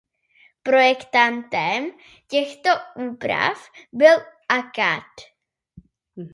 Projektantem těchto úprav byl akad.